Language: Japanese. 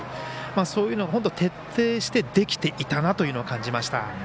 そういうのを本当に徹底してできていたなと感じました。